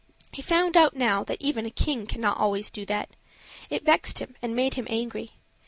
He found out now that even a king cannot always do that; it vexed him and made him angry.